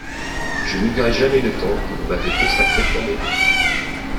Je n'oublierai jamais le temps que vous m'avez consacré pour m'aider.